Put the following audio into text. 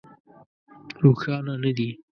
روښانه نه دي.